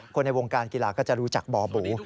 คนในวงการกีฬาก็จะรู้จักบ่อบู